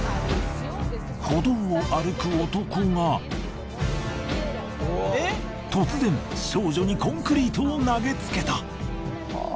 歩道を歩く男が突然少女にコンクリートを投げつけた。